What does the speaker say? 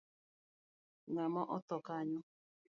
Ngama otho kanyo?